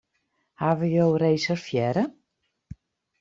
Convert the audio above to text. Hawwe jo reservearre?